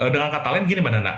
dengan kata lain gini mbak nana